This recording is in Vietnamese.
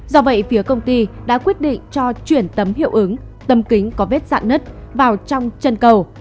do vậy phía công ty đã quyết định cho chuyển tầm hiệu ứng tầm kính có vết dạng nứt vào trong chân cầu